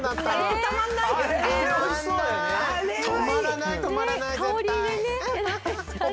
とまらないとまらない絶対。